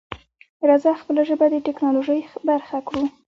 راځه خپله ژبه د ټکنالوژۍ برخه کړو.